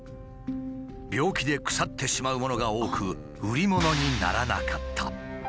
病気で腐ってしまうものが多く売りものにならなかった。